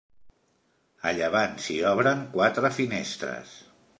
A llevant s'hi obren quatre finestres.